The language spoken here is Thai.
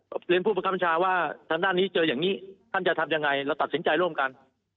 ผมเรียนผู้ประคับบัญชาว่าทางด้านนี้เจออย่างนี้ท่านจะทำยังไงเราตัดสินใจร่วมกัน